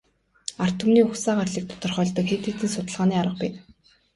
Ард түмний угсаа гарлыг тодорхойлдог хэд хэдэн судалгааны арга бий.